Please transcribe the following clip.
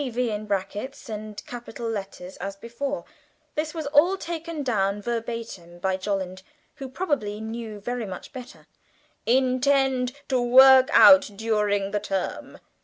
V. in brackets and capital letters' as before, this was taken down verbatim by Jolland, who probably knew very much better), "intend to work out during the term.